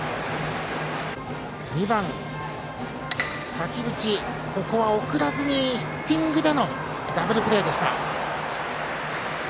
２番、垣淵は送らずにヒッティングでのダブルプレーでした。